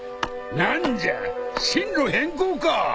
何じゃ進路変更か。